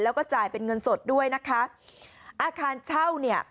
แล้วก็จ่ายเป็นเงินสดด้วยนะคะอาคารเช่าเนี่ย